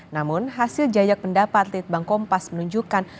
namun hasil jajak pendapat litbang kompas menunjukkan